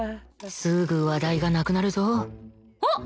すぐ話題がなくなるぞあっ！